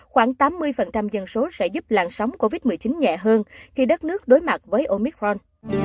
khoảng tám mươi dân số sẽ giúp làn sóng covid một mươi chín nhẹ hơn khi đất nước đối mặt với omicron